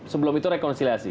sebelum itu rekonsiliasi